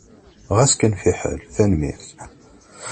Xas kan fiḥel! Tanemmirt.